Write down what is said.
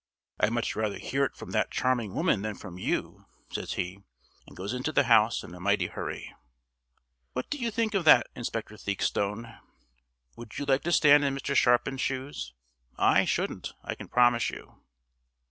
I'd much rather hear it from that charming woman than from you," says he, and goes into the house in a mighty hurry. What do you think of that, Inspector Theakstone? Would you like to stand in Mr. Sharpin's shoes? I shouldn't, I can promise you.